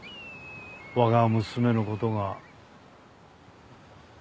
我が娘のことが。